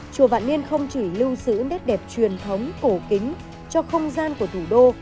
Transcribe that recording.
chùa vạn niên không chỉ lưu giữ nét đẹp truyền thống cổ kính cho không gian của thủ đô